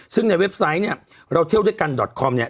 ซึ่งในเว็บไซต์เนี่ยเราเที่ยวด้วยกันดอตคอมเนี่ย